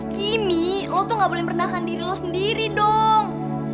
kini lo tuh gak boleh merendahkan diri lo sendiri dong